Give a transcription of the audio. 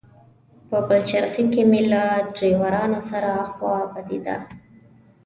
په پلچرخي کې مې له ډریورانو سره خوا بدېده.